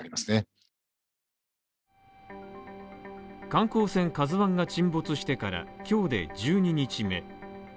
観光船「ＫＡＺＵ１」が沈没してから今日で１２日目。